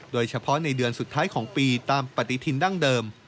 โดยเฉพาะในเดือนสุดท้ายของปีตามปฏิทินดั้งเดิม